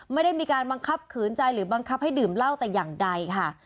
ไม่ได้มีการบังคับขืนใจหรือบังคับให้ดื่มเหล้าแต่อย่างใดค่ะ